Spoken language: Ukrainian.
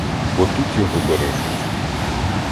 Бо тут його бережуть.